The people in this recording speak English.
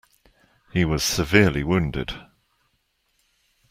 He was severely wounded.